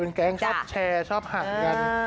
แก๊งชอบแชร์ชอบหักกัน